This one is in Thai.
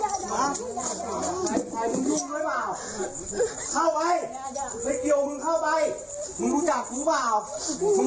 เธอตกใจมากโทรหาพ่อตามมาได้ทันเวลาพอดีเลย